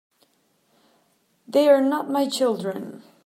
They're not my children.